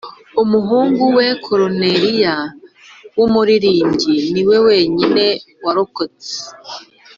umuhungu we corneille w'umuririmbyi niwe wenyine warokotse